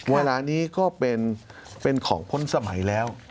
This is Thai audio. เวลานี้ก็เป็นของพ้นสมัยแล้ว